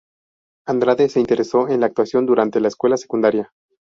Andrade se interesó en la actuación durante la escuela secundaria.